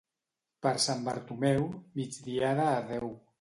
Per Sant Bartomeu, migdiada adeu.